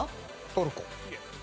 トルコ。